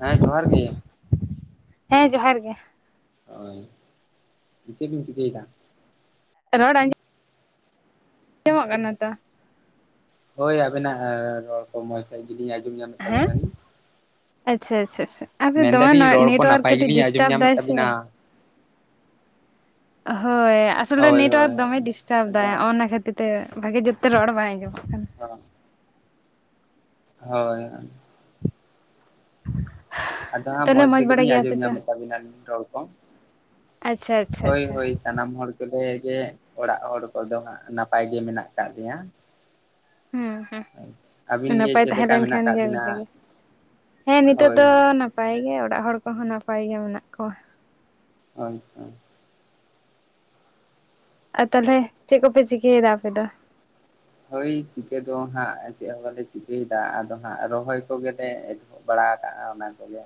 ᱦᱮᱸ ᱡᱚᱦᱟᱨ ᱜᱮ᱾ ᱦᱮᱸ ᱡᱚᱦᱟᱨ ᱜᱮ᱾ ᱦᱳᱭ ᱪᱮᱫ ᱵᱤᱱ ᱪᱤᱠᱟᱹᱭ ᱫᱟ? ᱨᱚᱲ ᱟᱸᱡᱚᱢ ᱟᱡᱚᱢᱜ ᱠᱟᱱᱟ ᱛᱚ? ᱦᱳᱭ ᱟᱵᱮᱱᱟᱜ ᱨᱚᱲ ᱠᱚ ᱢᱚᱪ ᱥᱟᱦᱤᱡ ᱜᱮᱞᱤᱧ ᱟᱸᱡᱚᱢ ᱧᱟᱢᱮᱫ ᱦᱮᱸ ᱛᱟᱵᱮᱱᱟᱞᱤᱧ ᱾ ᱟᱪᱪᱷᱟ ᱟᱪᱪᱷᱟ ᱟᱪᱪᱷᱟ ᱟᱫᱚ ᱢᱮᱱᱫᱟᱞᱤᱧ ᱫᱚᱢᱮ ᱨᱚᱲ ᱠᱚ ᱱᱮᱴᱚᱣᱟᱨᱠ ᱱᱟᱯᱟᱭ ᱠᱟᱴᱤᱡ ᱜᱮᱞᱤᱧ ᱟᱸᱡᱚᱢ ᱰᱤᱥᱴᱟᱵᱽ ᱧᱟᱢᱮᱫ ᱫᱟᱭ ᱥᱮ᱾ ᱛᱟᱵᱤᱱᱟ ᱦᱳᱭ ᱟᱥᱚᱞᱮ ᱦᱳᱭ ᱦᱳᱭ ᱱᱮᱴᱚᱣᱟᱨᱠ ᱫᱚᱢᱮ ᱰᱤᱥᱴᱟᱵᱽ ᱫᱟ ᱟᱫᱚ ᱚᱱᱟ ᱠᱷᱟᱹᱛᱤᱨ ᱛᱮ᱾ ᱛᱮ ᱵᱷᱟᱜᱮ ᱡᱩᱛ ᱛᱮ ᱨᱚᱲ ᱵᱟᱭ ᱟᱸᱡᱚᱢᱚᱜ ᱠᱟᱱᱟ᱾ ᱦᱸ [inaudible] ᱦᱳᱭ᱾ ᱟᱫᱚ ᱦᱟᱸᱜ ᱛᱟᱦᱚᱞᱮ ᱢᱚᱸᱡᱽ ᱵᱟᱲᱟ ᱛᱮᱜᱮᱞᱤᱧ ᱜᱮᱭᱟᱯᱮ ᱟᱸᱡᱚᱢ ᱛᱚ ᱧᱟᱢᱮᱫ ᱛᱟᱵᱤᱱᱟᱞᱤᱧ ᱨᱚᱲ ᱠᱚ᱾ ᱟᱪᱪᱷᱟ᱾ ᱟᱪᱪᱷᱟ ᱦᱳᱭ ᱟᱪᱪᱷᱟ ᱦᱳᱭ ᱥᱟᱱᱟᱢ ᱦᱚᱲ ᱠᱚᱞᱮ ᱜᱮ ᱚᱲᱟᱜ ᱦᱚᱲ ᱠᱚᱫᱚ ᱦᱟᱸᱜ ᱱᱟᱯᱟᱭ ᱜᱮ ᱢᱮᱱᱟᱜ ᱟᱠᱟᱫ ᱞᱮᱭᱟ᱾ ᱦᱩᱸ ᱦᱩᱸ ᱟᱹᱵᱤᱱ ᱜᱮ ᱱᱟᱯᱟᱭ ᱪᱮᱫ ᱛᱟᱦᱮᱸ ᱞᱮᱠᱟ ᱢᱮᱱᱟᱜ ᱞᱮᱱᱠᱷᱟᱱ ᱟᱠᱟᱫ ᱜᱮ ᱵᱤᱱᱟ ᱵᱷᱟᱜᱮ᱾ ᱦᱮᱸ ᱱᱤᱛᱚᱜ ᱦᱳᱭ ᱫᱚ ᱦᱳᱭ ᱱᱟᱯᱟᱭ ᱜᱮ ᱚᱲᱟᱜ ᱦᱚᱲ ᱠᱚᱦᱚᱸ ᱱᱟᱯᱟᱭ ᱜᱮ ᱢᱮᱱᱟᱜ ᱠᱚᱣᱟ᱾ ᱦᱚᱭ ᱛᱚ᱾ ᱟᱨ ᱛᱟᱦᱞᱮ ᱪᱮᱫ ᱠᱚᱯᱮ ᱪᱤᱠᱟᱹᱭ ᱮᱫᱟ ᱟᱯᱮ ᱫᱚ? ᱦᱳᱭ ᱪᱤᱠᱟᱹ ᱫᱚ ᱦᱟᱸᱜ ᱪᱮᱫ ᱦᱚᱸ ᱵᱟᱞᱮ ᱪᱤᱠᱟᱹᱭ ᱫᱟ ᱟᱫᱚ ᱦᱟᱸᱜ ᱨᱚᱦᱚᱭ ᱠᱚᱜᱮᱞᱮᱼᱼ ᱵᱟᱲᱟ ᱟᱠᱟᱜᱼᱟ ᱚᱱᱟ ᱠᱚᱜᱮ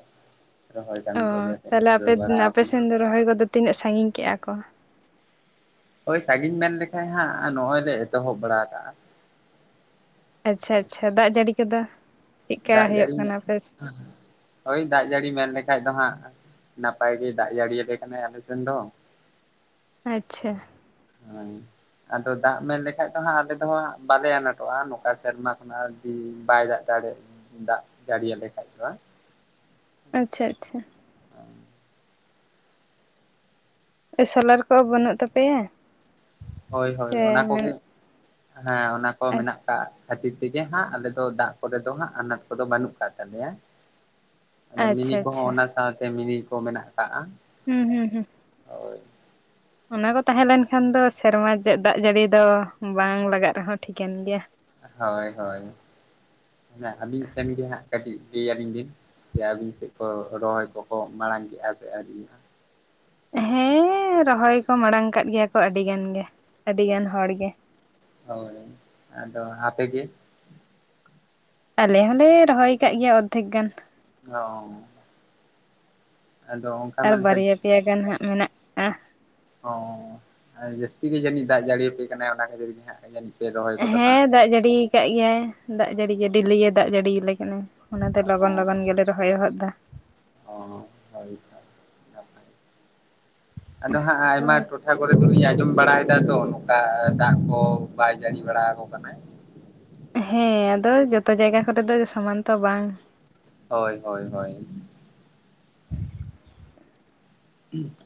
ᱨᱚᱦᱚᱭ ᱠᱟᱹᱢᱤ ᱚ ᱠᱚᱜᱮ ᱛᱟᱦᱚᱞᱮ ᱟᱯᱮ ᱫᱷᱩᱨᱟᱹᱣ ᱵᱟᱲᱟ ᱟᱯᱮ ᱠᱟᱱᱟ᱾ ᱥᱮᱱ ᱫᱚ ᱨᱚᱦᱚᱭ ᱠᱚᱫᱚ ᱛᱤᱱᱟᱹᱜ ᱥᱟᱺᱜᱤᱧ ᱠᱮᱜᱼᱟ ᱠᱚ? ᱳᱭ ᱥᱟᱜᱤᱧ ᱢᱮᱱ ᱞᱮᱠᱟᱡ ᱦᱟᱸᱜ ᱱᱚᱜᱼᱚᱭ ᱞᱮ ᱮᱛᱚᱦᱚᱵ ᱵᱟᱲᱟ ᱟᱠᱟᱜᱼᱟ᱾ ᱟᱪᱪᱷᱟ ᱟᱪᱪᱷᱟ ᱫᱟᱜ ᱡᱟᱲᱤ ᱠᱚᱫᱚ ᱪᱮᱫᱠᱟ ᱫᱟᱜ ᱦᱳᱭᱳᱜ ᱡᱟᱹᱲᱤ ᱠᱟᱱᱟ ᱟᱯᱮᱼᱼ ᱦᱳᱭ ᱫᱟᱜ ᱡᱟᱲᱤ ᱢᱮᱱ ᱞᱮᱠᱟᱱᱡ ᱫᱚ ᱦᱟᱸᱜ ᱱᱟᱯᱟᱭ ᱜᱮ ᱫᱟᱜ ᱡᱟᱹᱲᱤ ᱭᱟᱞᱮ ᱠᱟᱱᱟᱭ ᱟᱞᱮ ᱥᱮᱱ ᱫᱚ᱾ ᱟᱪᱪᱷᱟ᱾ ᱦᱮᱸ ᱟᱫᱚ ᱫᱟᱜ ᱢᱮᱱ ᱞᱮᱠᱷᱟᱡ ᱫᱚ ᱦᱟᱸᱜ ᱟᱞᱮ ᱫᱚᱜ ᱵᱟᱞᱮ ᱟᱱᱟᱴᱚᱜᱼᱟ ᱱᱚᱝᱠᱟ ᱥᱮᱨᱢᱟ ᱠᱷᱚᱱᱟᱜᱼᱼ ᱵᱟᱭ ᱫᱟᱜ ᱫᱟᱲᱮ ᱫᱟᱜ ᱡᱟᱲᱤᱭᱟ ᱞᱮ ᱠᱷᱟᱡ ᱫᱚᱦᱟᱜ᱾ ᱟᱪᱪᱷᱟ ᱟᱪᱪᱷᱟ᱾ ᱥᱳᱞᱟᱨ ᱠᱚ ᱵᱟᱹᱱᱩᱜ ᱛᱟᱯᱮᱭᱟ? ᱦᱳᱭ ᱦᱳᱭ ᱥᱮ ᱚᱱᱟ ᱢᱮᱱ ᱠᱚᱜᱮ ᱦᱮᱸ ᱚᱱᱟ ᱠᱚ ᱢᱮᱱᱟᱜ ᱟᱠᱟᱫᱼᱼ ᱠᱷᱟᱛᱤᱨ ᱛᱮᱜᱮ ᱦᱟᱸᱜ ᱟᱞᱮ ᱫᱚ ᱫᱟᱜ ᱠᱚᱨᱮ ᱫᱚ ᱦᱟᱸᱜ ᱟᱱᱟᱴ ᱠᱚᱫᱚ ᱵᱟᱹᱱᱩᱜ ᱟᱠᱟᱫ ᱛᱟᱞᱮᱭᱟ᱾ ᱟᱫᱚ ᱢᱤᱱᱤ ᱟᱪᱪᱷᱟ ᱠᱚᱦᱚᱸ ᱟᱪᱪᱷᱟ ᱚᱱᱟ ᱥᱟᱶᱛᱮ ᱢᱤᱱᱤ ᱠᱚ ᱢᱮᱱᱟᱜ ᱠᱟᱜᱼᱟ᱾ ᱦᱩᱸ ᱦᱩᱸ ᱦᱩᱸ᱾ ᱚᱭᱼᱼ ᱚᱱᱟ ᱠᱚ ᱛᱟᱦᱮᱸ ᱞᱮᱱᱠᱷᱟᱱ ᱫᱚ ᱥᱮᱨᱢᱟ ᱨᱮᱡᱟᱜ ᱫᱟᱜ ᱡᱟᱹᱲᱤ ᱫᱚ ᱵᱟᱝ ᱞᱟᱜᱟᱜ ᱨᱮᱦᱚᱸ ᱴᱷᱤᱠᱟᱹᱱ ᱜᱮᱭᱟ᱾ ᱦᱳᱭ ᱦᱳᱭ ᱚᱱᱟ ᱟᱹᱞᱤᱧ ᱥᱮᱱ ᱜᱮ ᱦᱟᱸᱜ ᱠᱟᱹᱴᱤᱡ ᱞᱟᱹᱭ ᱟᱹᱞᱤᱧ ᱵᱤᱱ ᱥᱮ ᱟᱹᱵᱤᱱ ᱥᱮᱫ ᱠᱚ ᱨᱚᱦᱚᱭ ᱠᱚᱠᱚ ᱢᱟᱲᱟᱝ ᱠᱮᱫᱼᱟ ᱥᱮ ᱟᱹᱣᱨᱤᱭᱟ᱾ ᱦᱮᱸᱻ ᱨᱚᱦᱚᱭ ᱠᱚ ᱢᱟᱲᱟᱝ ᱠᱟᱫ ᱜᱮᱭᱟ ᱠᱚ ᱟᱹᱰᱤ ᱜᱟᱱ ᱜᱮ ᱟᱹᱰᱤ ᱜᱟᱱ ᱦᱚᱲ ᱜᱮ ᱾ ᱦᱳᱭ, ᱟᱫᱚ ᱟᱯᱮ ᱜᱮ? ᱟᱞᱮ ᱦᱚᱸᱞᱮ ᱨᱚᱦᱚᱭ ᱠᱟᱜ ᱜᱮᱭᱟ ᱚᱨᱫᱷᱮᱠ ᱜᱟᱱ ᱾ ᱚᱻ ᱟᱫᱚᱼᱼ ᱟᱨ ᱵᱟᱨᱭᱟ ᱯᱮᱭᱟ ᱜᱟᱱ ᱦᱟᱸᱜ ᱢᱮᱱᱟᱜ ᱾ ᱦᱚᱸ ᱟᱨ ᱡᱟᱹᱥᱛᱤ ᱜᱮ ᱡᱟᱹᱱᱤᱡ ᱫᱟᱜ ᱡᱟᱹᱲᱤ ᱟᱯᱮ ᱠᱟᱱᱟᱭ ᱚᱱᱟ ᱠᱷᱟᱹᱛᱤᱨ ᱜᱮ ᱦᱟᱸᱜ ᱡᱟᱹᱱᱤᱡ ᱯᱮ ᱨᱚᱦᱚᱭ ᱠᱚᱫᱚ ᱦᱟᱸᱜ ᱦᱮᱸ ᱫᱟᱜ ᱡᱟᱹᱲᱤᱭ ᱠᱟᱫ ᱜᱮᱭᱟᱭ ᱫᱟᱜ ᱡᱟᱹᱲᱤ ᱜᱮ ᱰᱮᱞᱤ ᱜᱮ ᱫᱟᱜ ᱡᱟᱹᱲᱤᱤᱭ ᱞᱮ ᱠᱟᱱᱟᱭ ᱾ ᱚᱱᱟᱛᱮ ᱚ ᱞᱚᱜᱚᱱ ᱞᱚᱜᱚᱱ ᱜᱮᱞᱮ ᱨᱚᱦᱚᱭ ᱦᱚᱫ ᱫᱟ ᱾ ᱚ ᱦᱳᱭᱳᱟᱭ ᱟᱫᱚ ᱦᱟᱸᱜ ᱟᱭᱢᱟ ᱦᱳᱭ ᱴᱚᱴ [inaudible] ᱡᱟᱦᱟᱸ ᱠᱚᱨᱮ ᱫᱩᱞᱤᱧ ᱟᱧᱡᱚᱢ ᱵᱟᱲᱟᱭᱮᱫᱟ ᱛᱚ ᱱᱚᱝᱠᱟ ᱫᱟᱜ ᱠᱚ ᱵᱟᱭ ᱡᱟᱹᱲᱤ ᱵᱟᱲᱟᱭ ᱠᱚ ᱠᱟᱱᱟᱭ ᱾ ᱦᱮᱸ ᱟᱫᱚ ᱡᱚᱛᱚ ᱡᱟᱭᱜᱟ ᱠᱚᱨᱮ ᱫᱚ ᱥᱚᱢᱟᱱ ᱛᱚ ᱵᱟᱝᱼᱼ ᱦᱳᱭ ᱦᱳᱭ ᱦᱳᱭᱼᱼ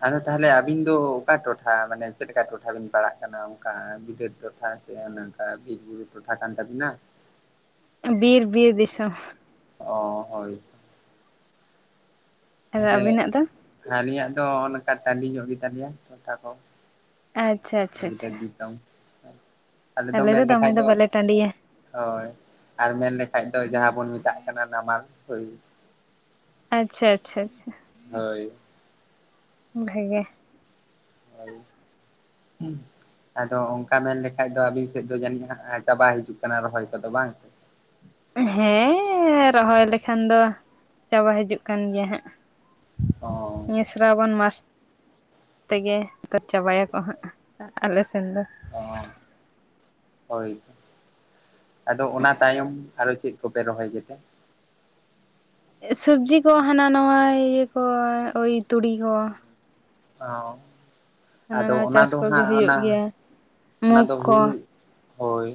ᱟᱫᱚ ᱛᱟᱦᱞᱮ ᱟᱵᱤᱱ ᱫᱚ ᱚᱠᱟ ᱴᱚᱴᱷᱟ ᱢᱟᱱᱮ ᱪᱮᱫᱠᱟ ᱴᱚᱴᱷᱟ ᱵᱤᱱ ᱯᱟᱲᱟᱜ ᱠᱟᱱᱟ ᱚᱱᱠᱟ ᱵᱤᱞᱟᱹᱫ ᱴᱚᱴᱷᱟ ᱪᱮ ᱱᱚᱝᱠᱟ ᱵᱤᱜ ᱵᱩᱨᱩ ᱴᱚᱴᱷᱟ ᱠᱟᱱ ᱛᱟᱹᱵᱤᱱᱟ? ᱵᱤᱨ ᱵᱤᱨ ᱫᱤᱥᱚᱢ ᱚ ᱦᱳᱭ᱾ ᱟᱨ ᱛᱟᱦᱞᱮ ᱟᱹᱵᱤᱱᱟᱜ ᱫᱚ ᱟᱹᱞᱤᱧᱟᱜ ᱫᱚ᱾ ᱦᱚᱜᱚ ᱱᱚᱝᱠᱟ ᱴᱟᱺᱰᱤ ᱧᱚᱜ ᱜᱮ ᱛᱟᱞᱮᱭᱟ ᱴᱚᱴᱷᱟ ᱠᱚ ᱾ ᱟᱪᱪᱷᱟ ᱟᱪᱪᱷᱟ ᱟᱪᱪᱷᱟ [unintelligible] ᱟᱞᱮ ᱫᱚ ᱢᱮᱱ ᱞᱮᱠᱷᱟᱡ ᱫᱚ ᱦᱳᱭ, ᱟᱨ ᱢᱮᱱ ᱞᱮᱠᱷᱟᱡ ᱫᱚ ᱡᱟᱦᱟᱸ ᱵᱚᱱ ᱢᱮᱛᱟᱜ ᱠᱟᱱᱟ ᱱᱟᱢᱟᱞ ᱦᱩᱭ ᱟᱪᱪᱷᱟ ᱟᱪᱪᱷᱟ ᱟᱪᱪᱷᱟ᱾ ᱦᱳᱭ᱾ ᱵᱷᱮᱜᱮ᱾ [inaudible] ᱟᱫᱚ ᱚᱜᱠᱟ ᱢᱮᱱ ᱞᱮᱠᱷᱟᱡ ᱫᱚ ᱟᱵᱤᱱ ᱥᱮᱫ ᱫᱚ ᱡᱟᱹᱱᱤᱡ ᱪᱟᱵᱟ ᱦᱤᱡᱩᱜ ᱠᱟᱱᱟ ᱨᱚᱦᱚᱭ ᱠᱚᱫᱚ ᱵᱟᱝ? ᱦᱮᱸᱻ ᱨᱚᱦᱚᱭ ᱞᱮᱠᱷᱟᱱ ᱫᱚ ᱪᱟᱵᱟ ᱦᱤᱡᱩᱜ ᱠᱟᱱ ᱜᱮᱭᱟ ᱦᱟᱸᱜ ᱾ ᱚᱝᱻ ᱥᱚᱨᱟᱵᱚᱱ ᱢᱟᱥ ᱛᱮᱜᱮ ᱛᱚ, ᱪᱟᱵᱟᱭᱟᱠᱚ ᱦᱟᱸᱜ ᱟᱞᱮ ᱥᱮᱱ ᱫᱚ ᱾ ᱚᱸ ᱦᱳᱭ ᱟᱫᱚ ᱚᱱᱟ ᱛᱟᱭᱚᱢ ᱟᱨᱚ ᱪᱮᱫ ᱠᱚᱯᱮ ᱨᱚᱦᱚᱭ ᱠᱮᱫᱟ? ᱥᱟᱹᱵᱡᱤ ᱠᱚ ᱦᱟᱱᱟ ᱱᱟᱣᱟ ᱤᱭᱟᱹ ᱠᱚ ᱳᱭ ᱛᱩᱲᱤ ᱠᱚ᱾ ᱚ ᱦᱟᱱᱟ ᱟᱫᱚ ᱱᱟᱣᱟ ᱚᱱᱟ ᱪᱟᱥ ᱫᱚ ᱠᱚᱜᱮ ᱦᱟᱸᱜ ᱦᱩᱭᱩᱜ ᱚᱱᱟ ᱜᱮᱭᱟ ᱢᱩᱜᱽ ᱚᱱᱟᱫᱚ ᱠᱚ ᱦᱩᱲᱩ ᱦᱳᱭ᱾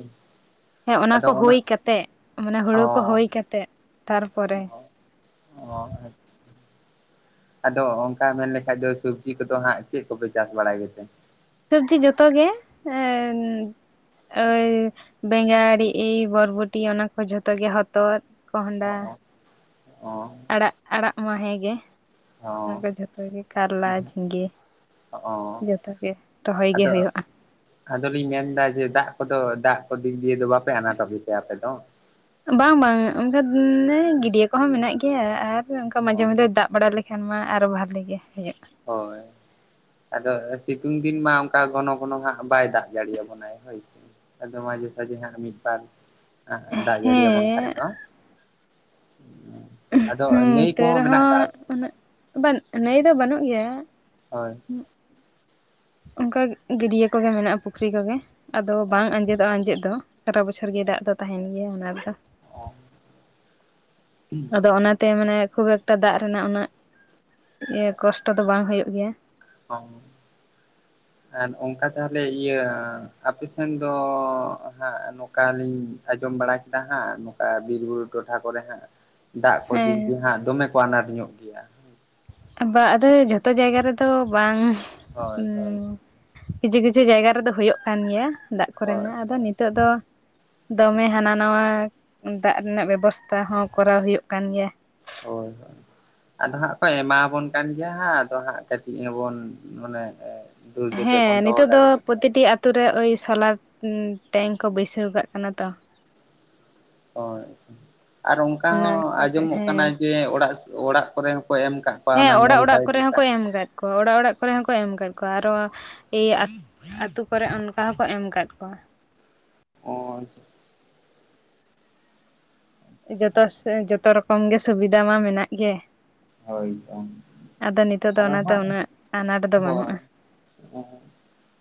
ᱦᱮᱸ ᱚᱱᱟ ᱠᱚ ᱦᱩᱭ ᱠᱟᱛᱮᱜ᱾ ᱢᱟᱱᱮ ᱚ ᱦᱩᱲᱩ ᱠᱚ ᱦᱩᱭ ᱠᱟᱛᱮᱜ ᱛᱟᱨᱯᱚᱨᱮ ᱾ ᱚ ᱟᱪᱪᱷᱟ᱾ ᱟᱫᱚ ᱚᱝᱠᱟ ᱢᱮᱱ ᱞᱮᱠᱷᱟᱡ ᱫᱚ ᱥᱚᱵᱽᱡᱤ ᱠᱚᱫᱚ ᱦᱟᱸᱜ ᱪᱮᱫ ᱠᱚᱯᱮ ᱪᱟᱥ ᱵᱟᱲᱟᱭ ᱜᱮᱛᱮ? ᱥᱚᱵᱽᱡᱤ ᱡᱚᱛᱚ ᱜᱮ ᱳᱭ ᱵᱮᱸᱜᱟᱲᱤ ᱵᱚᱨᱵᱚᱴᱤ ᱚᱱᱟ ᱠᱚ ᱡᱚᱛᱚ ᱜᱮ ᱦᱚᱛᱚᱜ᱾ [unintelligible] ᱟᱲᱟᱜ ᱟᱲᱟᱜ ᱢᱟ ᱦᱮᱸᱜᱮ᱾ ᱚ ᱚᱱᱟ ᱠᱚ ᱡᱷᱚᱛᱚ ᱜᱮ ᱠᱟᱨᱞᱟ ᱡᱷᱤᱸᱜᱟᱹ᱾ ᱚ ᱚ ᱡᱚᱛᱚ ᱜᱮ ᱨᱚᱦᱚᱭ ᱜᱮ ᱟᱫᱚ ᱦᱩᱭᱩᱜᱼᱟ ᱾ ᱟᱫᱚᱞᱤᱧ ᱢᱮᱱᱫᱟ ᱡᱮ ᱫᱟᱜ, ᱠᱚᱫᱚ ᱫᱟᱜ ᱠᱚ ᱫᱤᱠ ᱫᱤᱭᱮ ᱫᱚ ᱵᱟᱯᱮ ᱟᱱᱟᱴᱚᱠ ᱜᱮᱛᱮ ᱟᱯᱮ ᱫᱚ᱾ ᱵᱟᱝ ᱵᱟᱝ ᱚᱝᱠᱟ ᱜᱤᱰᱭᱟᱹ ᱠᱚᱦᱚᱸ ᱢᱮᱱᱟᱜ ᱜᱮᱭᱟ ᱟᱨ ᱚᱱᱠᱟ ᱢᱟᱡᱷᱮ ᱚ ᱢᱟᱡᱷᱮ ᱫᱟᱜ ᱵᱟᱲᱟ ᱞᱮᱠ ᱮᱱᱠᱷᱟᱱ ᱢᱟ ᱟᱨᱚ ᱵᱷᱟᱞᱮ ᱜᱮ ᱦᱩᱭᱩᱜ᱾ ᱦᱳᱭ᱾ ᱟᱫᱚ ᱥᱤᱛᱩᱝ ᱫᱤᱱ ᱢᱟ ᱚᱱᱠᱟ ᱜᱚᱱᱚ ᱜᱚᱱᱚ ᱦᱟᱸᱜ ᱵᱟᱭ ᱫᱟᱜ ᱡᱟᱹᱲᱤᱭᱟᱜ ᱵᱚᱱᱟᱭ ᱦᱳᱭᱥᱮ ᱟᱫᱚ ᱢᱟ ᱡᱚᱛᱚ ᱜᱮ ᱦᱟᱸᱜ ᱢᱤᱫ ᱵᱟᱨ ᱟᱜᱸ ᱫᱟᱜᱽ ᱡᱟᱹᱲᱤ ᱦᱮᱸ ᱭᱟᱵᱚᱱ ᱠᱷᱟᱡ ᱫᱚ᱾ ᱦᱮᱸ ᱟᱫᱚ ᱦᱮᱸ ᱱᱟᱹᱭ ᱛᱟᱭᱹ ᱠᱚᱦᱚᱸ ᱢᱮᱱᱟᱜ ᱨᱮᱦᱚᱸ ᱟᱠᱟᱫᱼᱟ ᱥᱮ ᱩᱱᱟᱹᱜ ᱵᱟᱹᱱ ᱱᱟᱹᱭ ᱫᱚ ᱵᱟᱹᱱᱩᱜ ᱜᱮᱭᱟ᱾ ᱦᱳᱭ᱾ ᱚᱝᱠᱟ ᱜᱟᱹᱰᱤᱭᱟᱹ ᱠᱚᱜᱮ ᱢᱮᱱᱟᱜᱼᱟ᱾ ᱯᱩᱠᱷᱨᱤ ᱠᱚᱜᱮ ᱟᱫᱚ ᱚ ᱵᱟᱝ ᱟᱸᱡᱮᱫᱚᱜᱼᱟ ᱟᱸᱡᱮᱫᱽ ᱫᱚ᱾ ᱥᱟᱨᱟ ᱵᱚᱪᱷᱚᱨ ᱜᱮ ᱫᱟᱜ ᱫᱚ ᱛᱟᱦᱮᱱ ᱜᱮᱭᱟ ᱚᱱᱟ ᱨᱮ ᱫᱚ᱾ ᱚ ᱟᱫᱚ ᱚᱱᱟᱛᱮ ᱢᱟᱱᱮ ᱠᱷᱩᱵ ᱮᱠ ᱴᱟ ᱫᱟᱜ ᱨᱮᱱᱟᱜ ᱩᱱᱟᱹᱜ ᱤᱭᱟᱹ ᱠᱚᱥᱴᱚ ᱫᱚ ᱵᱟᱝ ᱦᱩᱭᱩᱜ ᱜᱮᱭᱟ᱾ [inaudible] ᱟᱨ ᱚᱝᱠᱟ ᱛᱮᱦᱚᱞᱮ ᱤᱭᱟᱹ ᱟᱯᱮ ᱥᱮᱱ ᱫᱚ ᱦᱟᱸᱜ ᱱᱚᱠᱟ ᱞᱤᱧ ᱟᱸᱡᱚᱢ ᱵᱟᱲᱟ ᱠᱮᱫᱟ ᱦᱟᱸᱜ ᱱᱚᱠᱟ ᱵᱤᱨ ᱵᱩᱨᱩ ᱴᱚᱴᱷᱟ ᱠᱚᱨᱮ ᱦᱟᱸᱜ ᱫᱟᱜ ᱠᱚ ᱦᱮᱸ ᱫᱤᱠ ᱫᱤᱭᱮ ᱦᱟᱸᱜ ᱫᱚᱢᱮ ᱠᱚ ᱟᱱᱟᱴ ᱧᱚᱜ ᱜᱮᱭᱟ᱾ ᱵᱟ ᱟᱫᱚ ᱡᱷᱚᱛᱚ ᱡᱟᱭᱜᱟ ᱨᱮᱫᱚ ᱵᱟᱝ ᱦᱳᱭ ᱦᱳᱭ ᱠᱤᱡᱷᱩ ᱠᱤᱡᱷᱩ ᱡᱟᱭᱜᱟ ᱨᱮᱫᱚ ᱦᱩᱭᱩᱜ ᱠᱟᱱ ᱜᱮᱭᱟ ᱫᱟᱜᱽ ᱦᱳᱭ ᱠᱚᱨᱮᱱᱟᱜ ᱟᱫᱚ ᱱᱤᱛᱚᱜ ᱫᱚ ᱫᱚᱢᱮ ᱦᱟᱱᱟ ᱱᱟᱣᱟ ᱫᱟᱜᱽ ᱨᱮᱱᱟᱜ ᱵᱮᱵᱚᱥᱛᱟ ᱦᱚᱸ ᱠᱚᱨᱟᱣ ᱦᱩᱭᱩᱜ ᱠᱟᱱ ᱜᱮᱭᱟ᱾ ᱦᱳᱭ ᱦᱳᱭ᱾ ᱟᱫᱚ ᱦᱟᱸᱜ ᱠᱚ ᱮᱢᱟᱵᱚᱱ ᱠᱟᱱ ᱜᱮᱭᱟ ᱦᱟᱸᱜ ᱟᱫᱚ ᱦᱟᱸᱜ ᱠᱟᱹᱴᱤᱡ ᱦᱚᱸᱵᱚᱱ ᱢᱟᱱᱮ ᱫᱷᱳᱨ ᱡᱚᱛᱮᱫ ᱦᱮᱸ ᱵᱚᱱ ᱫᱚᱦᱚ ᱱᱤᱛᱚᱜ ᱫᱚ ᱫᱟᱲᱮ ᱞᱮᱠᱷᱟᱱ ᱯᱨᱚᱛᱤᱴᱤ ᱟᱛᱩ ᱨᱮ ᱟᱹᱭ ᱥᱳᱞᱟᱨ ᱴᱮᱝᱠ ᱠᱚ ᱵᱟᱹᱭᱥᱟᱹᱣ ᱠᱟᱜ ᱠᱟᱱᱟ ᱛᱚ᱾ ᱦᱳᱭ, ᱟᱨ ᱚᱱᱠᱟ ᱚᱱᱟ ᱦᱚᱸ ᱠᱟᱛᱮ ᱟᱸᱡᱚᱢᱚᱜ ᱠᱟᱱᱟ ᱦᱮᱸ ᱡᱮ ᱚᱲᱟᱜ ᱚᱲᱟᱜ ᱠᱚᱨᱮ ᱦᱚᱸᱠᱚ ᱮᱢ ᱠᱟᱜ ᱠᱚᱣᱟ ᱦᱮᱸ ᱚᱱᱟ ᱚᱲᱟᱜ ᱱᱚᱞ ᱚᱲᱟᱜ ᱯᱟᱭᱤᱯ ᱠᱚᱨᱮ ᱞᱮᱠᱟ ᱦᱚᱸᱠᱚ ᱮᱢ ᱟᱠᱟᱫ ᱠᱚᱣᱟ ᱚᱲᱟᱜ ᱚᱲᱟᱜ ᱠᱚᱨᱮ ᱦᱚᱸᱠᱚ ᱮᱢ ᱟᱠᱟᱫ ᱠᱚᱣᱟ ᱟᱨᱚ ᱤᱭᱟᱹ ᱟ ᱟᱹᱛᱩ ᱠᱚᱨᱮᱜ ᱚᱱᱠᱟ ᱦᱚᱸᱠᱚ ᱮᱢ ᱟᱠᱟᱫ ᱠᱚᱣᱟ᱾ ᱚ ᱟᱪᱪᱷᱟ᱾ ᱡᱚᱛᱚᱥ ᱮᱸ ᱡᱚᱛᱚ ᱨᱚᱠᱚᱢ ᱜᱮ ᱥᱩᱵᱤᱫᱟ ᱢᱟ ᱢᱮᱱᱟᱜ ᱜᱮ᱾ ᱟᱫᱚ ᱱᱤᱛᱚᱜ ᱫᱚ ᱟᱨᱚ ᱚᱱᱟᱛᱚ ᱦᱟᱸᱜ ᱩᱱᱟᱹᱜ ᱟᱱᱟᱴ ᱫᱚ ᱵᱟᱹᱱᱩᱜᱼᱟ᱾ ᱦᱮᱸ,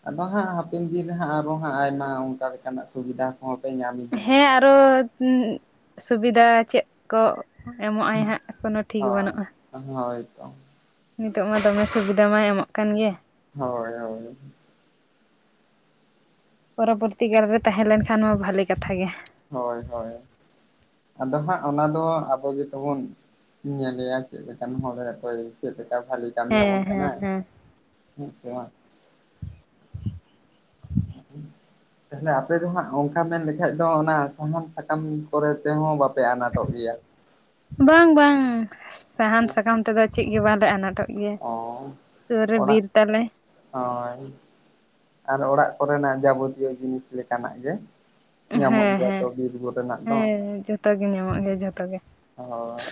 ᱟᱫᱚ ᱦᱟᱸᱜ ᱦᱟᱯᱤᱱ ᱫᱤᱱ ᱨᱮ ᱦᱟᱸᱜ ᱟᱨᱚ ᱦᱟᱸᱜ ᱟᱭᱢᱟ ᱚᱱᱠᱟ ᱞᱮᱠᱟᱱᱟᱜ ᱥᱩᱵᱤᱫᱟ ᱦᱚᱸ ᱯᱮ ᱧᱟᱢ ᱤᱫᱤ ᱦᱮᱸ ᱜᱮᱭᱟ ᱟᱨᱚ ᱩᱸ ᱥᱩᱵᱤᱫᱷᱟ ᱪᱮᱫ ᱠᱚ ᱮᱢᱚᱜᱼᱟᱭ ᱦᱟᱸᱜ ᱠᱚᱱᱚ ᱴᱷᱤᱠ ᱦᱟᱸᱜ ᱦᱳᱭ ᱵᱟᱹᱱᱩᱜᱼᱟ᱾ ᱦᱳᱭ ᱛᱚ᱾ ᱱᱤᱛᱚᱜ ᱢᱟ ᱫᱚᱢᱮ ᱥᱩᱵᱤᱫᱷᱟ ᱢᱟᱭ ᱮᱢᱚᱜ ᱠᱟᱱ ᱜᱮ᱾ ᱦᱳᱭ ᱦᱳᱭ᱾ ᱯᱚᱨᱚᱵᱚᱨᱛᱤ ᱠᱟᱞ ᱨᱮ ᱛᱟᱦᱮᱸ ᱞᱮᱱᱠᱷᱟᱱ ᱢᱟ ᱵᱷᱟᱞᱮ ᱠᱟᱛᱷᱟ ᱜᱮ᱾ ᱦᱳᱭ ᱦᱳᱭ, ᱟᱫᱚ ᱦᱟᱸᱜ ᱚᱱᱟ ᱫᱚ ᱟᱵᱚ ᱜᱮᱛᱚ ᱵᱚᱱ ᱧᱮᱞᱮᱭᱟ ᱪᱮᱫᱽ ᱞᱮᱠᱟᱱ ᱦᱚᱲᱮ ᱚᱠᱚᱭ ᱪᱮᱫ ᱞᱮᱠᱟ ᱜᱷᱟᱞᱮ ᱠᱟᱢᱤ ᱭᱟᱵᱚᱱ ᱦᱮᱸ ᱦᱮᱸ ᱠᱟᱱᱟᱭ, ᱦᱮᱸ ᱦᱩᱺ ᱥᱮ ᱵᱟᱝ? [inaudible] ᱛᱟᱦᱚᱞᱮ ᱟᱯᱮ ᱫᱚ ᱦᱟᱸᱜ ᱚᱱᱠᱟ ᱢᱮᱱ ᱞᱮᱠᱷᱟᱡ ᱫᱚ ᱚᱱᱟ ᱥᱟᱦᱟᱱ ᱥᱟᱠᱟᱢ ᱠᱚᱨᱮ ᱛᱮᱦᱚᱸ ᱵᱟᱯᱮ ᱟᱱᱟᱴᱚᱜ ᱜᱮᱭᱟ᱾ ᱵᱟᱝ ᱵᱟᱝ ᱥᱟᱦᱟᱱ ᱥᱟᱠᱟᱢ ᱛᱮᱫᱚ ᱪᱮ ᱜᱮ ᱵᱟᱝᱞᱮ ᱟᱱᱟᱴᱚᱜ᱾ ᱜᱮᱭᱟ ᱚ ᱥᱩᱨ ᱨᱮ ᱚᱲᱟᱜ ᱵᱤᱨ ᱛᱟᱞᱮ ᱦᱳᱭ, ᱟᱨ ᱚᱲᱟᱜ ᱠᱚᱨᱮᱱᱟᱜ ᱡᱟᱵᱚᱛᱤᱭᱟᱹ ᱡᱤᱱᱤᱥ ᱞᱮᱠᱟᱱᱟᱜ ᱜᱮ᱾ ᱦᱮᱸ ᱧᱟᱢᱚᱜ ᱜᱮᱭᱟ ᱦᱮᱸ ᱛᱚ ᱵᱤᱨ‌ ᱠᱚᱨᱮᱱᱟᱜ ᱫᱚ᱾ ᱦᱮᱸ ᱡᱚᱛᱚ ᱜᱮ ᱧᱟᱢᱚᱜ ᱜᱮᱭᱟ ᱡᱷᱚᱛᱚ ᱜᱮ ᱦᱳᱭ,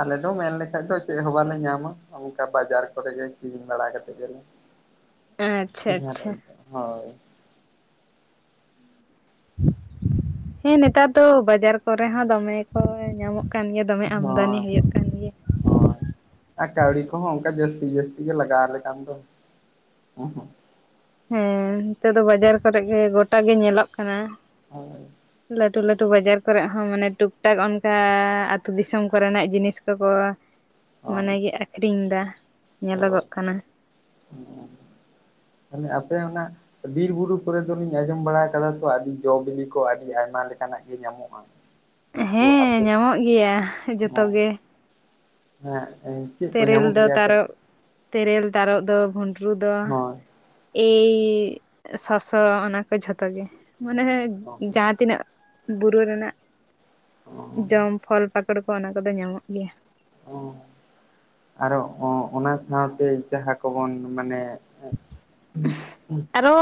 ᱟᱞᱮ ᱫᱚ ᱢᱮᱱ ᱞᱮᱠᱷᱟᱡ ᱫᱚ ᱪᱮᱫ ᱦᱚᱸ ᱵᱟᱞᱮ ᱧᱟᱢᱟ᱾ ᱚᱱᱠᱟ ᱵᱟᱡᱟᱨ ᱠᱚᱨᱮ ᱜᱮ ᱠᱤᱨᱤᱧ ᱵᱟᱲᱟ ᱠᱟᱛᱮ ᱜᱮᱞᱮ ᱟᱪᱪᱷᱟ ᱟᱪᱪᱷᱟ [inaudible] ᱦᱳᱭ᱾ ᱦᱮᱸ ᱱᱮᱛᱟᱨ ᱫᱚ ᱵᱟᱡᱟᱨ ᱠᱚᱨᱮ ᱦᱚᱸ ᱫᱚᱢᱮ ᱜᱮ ᱠᱚ ᱧᱟᱢᱚᱜ ᱠᱟᱱ ᱜᱮᱭᱟ ᱫᱚᱢᱮ ᱟᱢᱫᱟᱱᱤ ᱦᱳᱸᱭ᱾ ᱦᱩᱭᱩᱜ ᱠᱟᱱ ᱜᱮᱭᱟ ᱦᱳᱸᱭ, ᱟᱨ ᱠᱟᱹᱣᱲᱤ ᱠᱚᱦᱚᱸ ᱚᱱᱠᱟ ᱡᱟᱹᱥᱛᱤ ᱡᱟᱹᱥᱛᱤ ᱜᱮ ᱞᱟᱜᱟᱣ ᱟᱞᱮ ᱠᱟᱱ ᱫᱚ᱾ [inaudible] ᱦᱮᱸ, ᱱᱤᱛᱚᱜ ᱫᱚ ᱵᱟᱡᱟᱨ ᱠᱚᱨᱮ ᱜᱮ ᱜᱚᱴᱟ ᱜᱮ ᱧᱮᱞᱚᱜ ᱠᱟᱱᱟ᱾ ᱦᱳᱭ᱾ ᱞᱟᱹᱴᱷᱩ ᱞᱟᱹᱴᱷᱩ ᱵᱟᱡᱟᱨ ᱠᱚᱨᱮᱜ ᱦᱚᱸ ᱢᱟᱱᱮ ᱴᱩᱠ ᱴᱟᱠ ᱚᱱᱠᱟ ᱟᱹᱛᱩ ᱫᱤᱥᱚᱢ ᱠᱚᱨᱮᱱᱟᱜ ᱡᱤᱱᱤᱥ ᱠᱚᱠᱚ [inaudible] ᱢᱟᱱᱮ ᱜᱮ ᱟᱠᱷᱨᱤᱧᱫᱟ ᱧᱮᱞᱚᱜᱚᱜ ᱠᱟᱱᱟ᱾ ᱦᱩᱸ ᱛᱟᱞᱦᱮ ᱟᱯᱮ ᱚᱱᱟ ᱵᱤᱨ ᱵᱩᱨᱩ ᱠᱚᱨᱮ ᱫᱚᱞᱤᱧ ᱟᱸᱡᱚᱢ ᱵᱟᱲᱟ ᱠᱟᱫᱟ ᱛᱚ ᱟᱹᱰᱤ ᱡᱚ ᱵᱤᱞᱤ ᱠᱚ ᱟᱹᱰᱤ ᱟᱭᱢᱟ ᱞᱮᱠᱟᱱᱟᱜ ᱜᱮ ᱧᱟᱢᱚᱜᱼᱟ᱾ [inaudible] ᱦᱮᱸ ᱟᱯᱮ ᱧᱟᱢᱚᱜ ᱜᱮᱭᱟ ᱡᱷᱚᱛᱚ ᱦᱚᱸ ᱜᱮ᱾ ᱦᱮᱸ ᱮᱸ ᱪᱮᱫ ᱠᱚ ᱛᱮᱨᱮᱞ ᱧᱟᱢᱚᱜ ᱫᱚ ᱜᱮᱭᱟ? [inaudible] ᱛᱟᱨᱚᱵ ᱛᱮᱨᱮᱞ ᱛᱟᱨᱚᱵ ᱫᱚ ᱵᱷᱩᱱᱰᱨᱩ ᱫᱚ ᱦᱳᱭ ᱮᱭ ᱥᱚᱥᱚ ᱚᱱᱟ ᱠᱚ ᱡᱷᱚᱛᱚ ᱜᱮ ᱢᱟᱱᱮ ᱦᱚᱭ ᱡᱟᱦᱟᱸ ᱛᱤᱱᱟᱹᱜ ᱵᱩᱨᱩ ᱨᱮᱱᱟᱜ ᱡᱚᱢ ᱯᱷᱚᱞ ᱯᱟ ᱚᱱᱟ ᱠᱚᱫᱚ ᱧᱟᱢᱚᱜ ᱜᱮᱭᱟ᱾ ᱚ ᱟᱨᱚ ᱚ ᱚᱱᱟ ᱥᱟᱶᱛᱮ ᱡᱟᱦᱟᱸ ᱠᱚᱵᱚᱱ ᱢᱟᱱᱮ ᱟᱨᱚ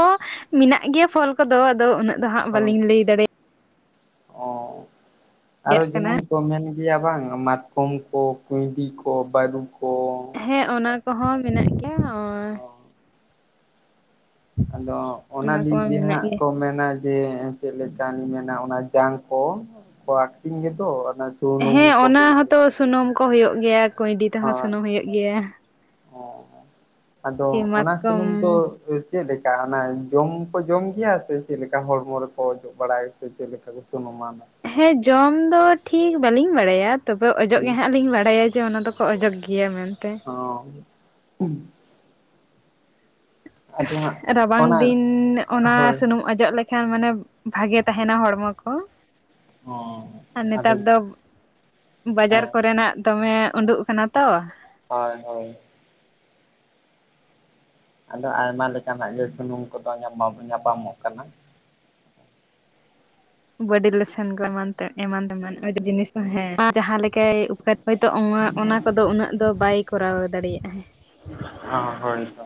ᱢᱮᱱᱟᱜ ᱜᱮᱭᱟ ᱯᱷᱚᱞ ᱠᱚᱫᱚ ᱟᱫᱚ ᱩᱱᱟᱹᱜ ᱫᱚᱦᱟᱸᱜ ᱦᱳᱭ ᱵᱟᱞᱤᱧ ᱞᱟᱹᱭ ᱫᱟᱲᱮᱜ ᱚ ᱟᱨᱚ ᱡᱟᱦᱟᱱ ᱠᱟᱱᱟ ᱠᱚ ᱢᱮᱱ ᱜᱮᱭᱟ ᱵᱟᱝ ᱢᱟᱛᱠᱚᱢ ᱠᱚ ᱠᱩᱸᱩᱭᱰᱤ ᱠᱚ ᱵᱟᱹᱨᱩ ᱠᱚ ᱦᱮᱸ ᱚᱱᱟ ᱠᱚᱦᱚᱸ ᱢᱮᱱᱟᱜ ᱜᱮᱭᱟ ᱚᱭ ᱚ ᱟᱫᱚ ᱚᱱᱟ ᱫᱤᱠ ᱠᱚᱢᱟ ᱫᱤᱭᱮ ᱢᱮᱱᱟᱜ ᱦᱟᱸᱜ ᱜᱮ ᱠᱚ ᱢᱮᱱᱟ ᱡᱮ ᱪᱮᱫ ᱞᱮᱠᱟ ᱢᱮᱱᱟ ᱚᱱᱟ ᱡᱟᱝ ᱠᱚ ᱠᱚ ᱟᱠᱷᱨᱤᱧ ᱜᱮᱫᱚ ᱚᱱᱟ ᱦᱮᱸ ᱥᱩᱱᱩᱢ ᱠᱚ ᱚᱱᱟ ᱦᱩᱭᱩᱜ ᱜᱮᱭᱟ ᱦᱚᱸᱛᱚ ᱥᱩᱱᱩᱢ ᱠᱚ ᱦᱩᱭᱩᱜ ᱜᱮᱭᱟ ᱠᱩᱭᱰᱤ ᱛᱮᱦᱚ ᱥᱩᱱᱩᱢ ᱠᱚ ᱦᱩᱭᱩᱜ ᱜᱮᱭᱟ᱾ ᱚ ᱟᱫᱚ ᱚᱱᱟ ᱢᱟᱛᱠᱚᱢ ᱥᱩᱱᱩᱢ ᱫᱚ ᱪᱮᱫ ᱞᱮᱠᱟ ᱚᱱᱟ ᱡᱚᱢ ᱠᱚ ᱡᱚᱢ ᱜᱮᱭᱟ ᱥᱮ ᱪᱮᱫ ᱞᱮᱠᱟ ᱦᱚᱲᱢᱚ ᱨᱮᱠᱚ ᱚᱡᱚᱜ ᱵᱟᱲᱟᱭ ᱥᱮ ᱪᱮᱫ ᱞᱮᱠᱟ ᱠᱚ ᱥᱩᱱᱩᱢᱟ ᱚᱱᱟ? ᱦᱮᱸ ᱡᱚᱢ ᱫᱚ ᱴᱷᱤᱠ ᱵᱟᱞᱤᱧ ᱵᱟᱲᱟᱭᱟ ᱛᱚᱵᱮ ᱚᱡᱚᱜ ᱜᱮ ᱦᱮᱸ ᱦᱟᱸᱜ ᱞᱤᱧ ᱵᱟᱲᱟᱭᱟ᱾ ᱡᱮ ᱚᱱᱟ ᱫᱚᱠᱚ ᱚᱡᱚᱜ ᱜᱮᱭᱟ ᱢᱮᱱᱛᱮ᱾ ᱚ ᱟᱫᱚ ᱦᱟᱸᱜ ᱨᱟᱵᱟᱝ ᱚᱱᱟ ᱫᱤᱱ ᱚᱱᱟ ᱦᱳᱭ ᱥᱩᱱᱩᱢ ᱚᱡᱚᱜ ᱞᱮᱠᱷᱟᱱ ᱢᱟᱱᱮ ᱵᱷᱟᱜᱮ ᱛᱟᱦᱮᱱᱟ ᱦᱚᱲᱢᱚ ᱠᱚ᱾ ᱦᱚᱸ ᱟᱨ ᱟᱫᱚ ᱱᱮᱛᱟᱨ ᱫᱚ ᱵᱟᱡᱟᱨ ᱦᱮᱸ ᱠᱚᱨᱮᱱᱟᱜ ᱫᱚᱢᱮ ᱩᱰᱩᱜ ᱠᱟᱱᱟ ᱛᱚ ᱦᱳᱭ ᱦᱳᱭ ᱟᱫᱚ ᱟᱭᱢᱟ ᱞᱮᱠᱟᱱᱟᱜ ᱜᱮ ᱥᱩᱱᱩᱢ ᱠᱚᱫᱚ ᱧᱟᱯᱟᱢ ᱧᱟᱯᱟᱢᱚᱜ ᱠᱟᱱᱟ᱾ ᱵᱚᱰᱤ ᱞᱮᱥᱮᱱ ᱠᱚ ᱮᱢᱟᱱ ᱛᱮ ᱮᱢᱟᱱ ᱮᱢᱟᱱ ᱟᱹᱰᱤ ᱡᱤᱱᱤᱥ ᱦᱮᱸ ᱡᱟᱦᱟ ᱞᱮᱠᱟᱭ ᱦᱚᱭᱛᱳ ᱚᱱᱟ ᱚᱱᱟ ᱠᱚᱫᱚ ᱩᱱᱟᱹᱜ ᱫᱚ ᱵᱟᱭ ᱠᱚᱨᱟᱣ ᱫᱟᱲᱮᱭᱟᱜᱼᱟ᱾ ᱦᱚ ᱦᱳᱭ ᱛᱚ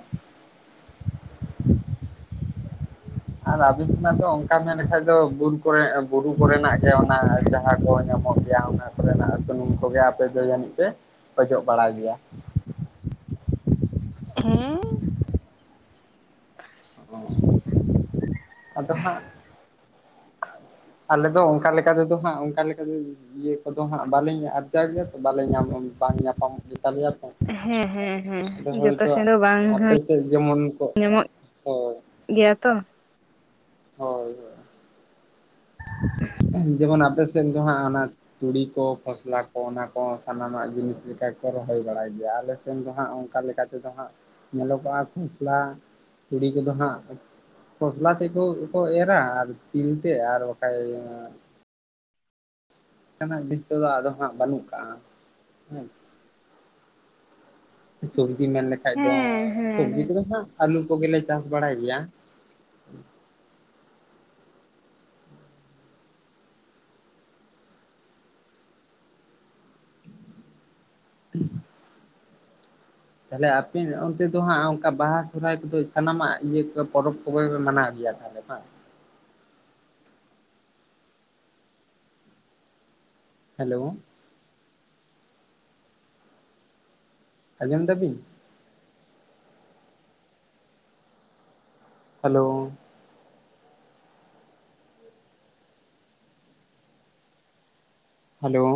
ᱟᱨ ᱟᱹᱵᱤᱱ ᱠᱷᱚᱱᱟᱜ ᱫᱚ ᱚᱱᱠᱟ ᱢᱮᱱ ᱵᱟᱠᱷᱟᱡ ᱫᱚ ᱵᱩᱨ ᱠᱚᱨᱮ ᱵᱩᱨᱩ ᱠᱚᱨᱮᱱᱟᱜ ᱜᱮ ᱚᱱᱟ ᱡᱟᱦᱟᱸ ᱠᱚ ᱧᱟᱢᱚᱜ ᱡᱟ ᱚᱱᱟ ᱠᱚᱨᱮᱱᱟᱜ ᱥᱩᱱᱩᱢ ᱠᱚᱜᱮ ᱟᱯᱮ ᱫᱚ ᱡᱟᱹᱱᱤᱡ ᱯᱮ ᱚᱡᱚᱜ ᱵᱟᱲᱟ ᱜᱮᱭᱟ? ᱦᱮ ᱚ ᱟᱫᱚ ᱦᱟᱸᱜ ᱟᱞᱮᱫᱚ ᱚᱱᱠᱟ ᱞᱮᱠᱟ ᱛᱮᱫᱚ ᱦᱟᱸᱜ ᱚᱱᱠᱟ ᱞᱮᱠᱟ ᱤᱭᱟᱹ ᱠᱚᱫᱚ ᱦᱟᱸᱜ ᱵᱟᱞᱤᱧ ᱟᱨᱡᱟᱣᱭᱟ ᱜᱮᱭᱟ ᱵᱟᱞᱮ ᱧᱟᱢ ᱵᱟᱝ ᱧᱟᱯᱟᱢ ᱜᱮᱛᱟ ᱞᱮᱭᱟ ᱛᱚ᱾ ᱦᱮᱸ ᱦᱮᱸ ᱦᱮᱸ ᱟᱫᱚ ᱡᱚᱛᱚ ᱦᱳᱭᱛᱳ ᱥᱮᱱ ᱫᱚ ᱵᱟᱝ ᱟᱯᱮ ᱦᱚᱧ ᱥᱮᱫ ᱡᱮᱢᱚᱱ ᱠᱚ ᱧᱟᱢᱚᱜ ᱦᱳᱭ ᱜᱮᱭᱟ ᱛᱚ ᱦᱳᱭ ᱦᱳᱭ [inaudible] ᱡᱮᱢᱚᱱ ᱟᱯᱮ ᱥᱮᱫ ᱫᱚ ᱦᱟᱸᱜ ᱚᱱᱟ ᱛᱩᱲᱤ ᱠᱚ ᱠᱷᱚᱥᱞᱟ ᱠᱚ ᱚᱱᱟ ᱠᱚ ᱥᱟᱱᱟᱢᱟᱜ ᱡᱤᱱᱤᱥ ᱞᱮᱠᱟ ᱠᱚ ᱨᱚᱦᱚᱭ ᱵᱟᱲᱟᱭ ᱜᱮᱭᱟ ᱟᱞᱮ ᱥᱮᱱ ᱫᱚ ᱦᱟᱸᱜ ᱚᱱᱠᱟ ᱞᱮᱠᱟ ᱛᱮᱫᱚ ᱦᱟᱸᱜ ᱧᱮᱞᱚᱜᱚᱜᱼᱟ ᱠᱷᱚᱥᱞᱟ ᱛᱩᱲᱤ ᱠᱚᱫᱚ ᱦᱟᱸᱜ ᱠᱷᱚᱥᱞᱟ ᱛᱮᱠᱚ ᱠᱚ ᱮᱨᱟ ᱟᱨ ᱛᱤᱞ ᱛᱮ ᱟᱨ ᱵᱟᱠᱷᱟᱡ ᱚᱱᱠᱟᱱᱟᱜ ᱡᱤᱱᱤᱥ ᱠᱚᱫᱚ ᱟᱫᱚ ᱦᱟᱸᱜ ᱵᱟᱹᱱᱩᱜ ᱠᱟᱜᱼᱟ ᱦᱮᱸ ᱥᱚᱵᱡᱤ ᱢᱮᱱ ᱞᱮᱠᱷᱟᱡ ᱫᱚ ᱦᱮᱸ ᱦᱮᱸ ᱥᱚᱵᱡᱤ ᱦᱮᱸ ᱠᱚᱫᱚ ᱦᱟᱸᱜ ᱟᱞᱩ ᱠᱚᱜᱮᱞᱮ ᱪᱟᱥ ᱵᱟᱲᱟᱭ ᱜᱮᱭᱟ᱾ [unintelligible] ᱛᱟᱦᱚᱞᱮ ᱟᱯᱮ ᱚᱱᱛᱮ ᱫᱚ ᱦᱟᱸᱜ ᱚᱱᱠᱟ ᱵᱟᱦᱟ ᱥᱚᱨᱦᱟᱭ ᱠᱚᱫᱚ ᱥᱟᱱᱟᱢᱟᱜ ᱤᱭᱟᱹ ᱠᱚ ᱯᱚᱨᱚᱵ ᱠᱚᱜᱮ ᱯᱮ ᱢᱟᱱᱟᱣ ᱜᱮᱭᱟ? [unintelligible] ᱦᱮᱞᱳ ᱾ ᱟᱸᱡᱚᱢ ᱫᱟᱵᱤᱱ? ᱦᱮᱞᱳ ᱾ ᱦᱮᱞᱳ ᱾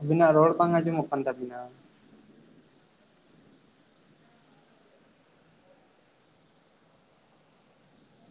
ᱟᱵᱤᱱᱟᱜ ᱨᱚᱲ ᱵᱟᱝ ᱟᱸᱡᱚᱢᱚᱜ ᱠᱟᱱ ᱛᱟᱵᱤᱱᱟ ᱾